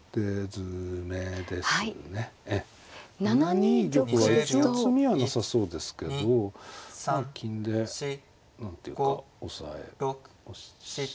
７二玉は一応詰みはなさそうですけど金で何ていうか押さえ込まれて。